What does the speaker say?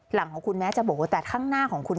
หลังของคุณแม้จะบอกว่าแต่ข้างหน้าของคุณ